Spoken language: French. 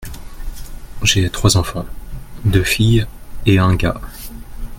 J’ai trois enfants, deux filles et un gars.